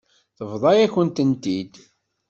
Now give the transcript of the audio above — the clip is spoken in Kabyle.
Tebḍa-yakent-ten-id.